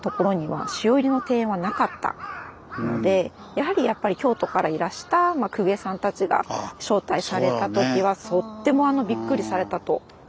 やはり京都からいらした公家さんたちが招待されたときはとってもびっくりされたと思います。